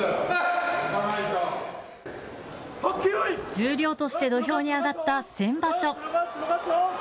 十両として土俵に上がった先場所。